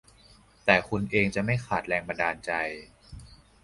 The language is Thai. แต่คุณเองจะไม่ขาดแรงบันดาลใจ